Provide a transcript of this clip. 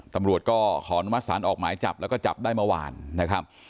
ตำรวจก็ขออนุมัติศาลออกหมายจับแล้วก็จับได้เมื่อวานนะครับ